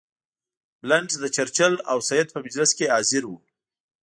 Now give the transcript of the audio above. بلنټ د چرچل او سید په مجلس کې حاضر وو.